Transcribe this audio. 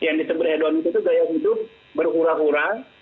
yang disebut hedoni itu gaya hidup bergura gura